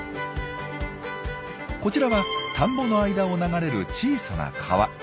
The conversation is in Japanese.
こちらは田んぼの間を流れる小さな川。